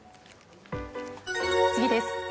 次です。